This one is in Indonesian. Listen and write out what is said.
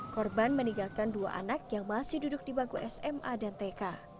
korban meninggalkan dua anak yang masih duduk di bangku sma dan tk